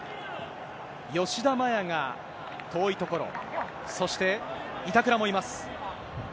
吉田麻也が遠い所、そして、板倉もいます。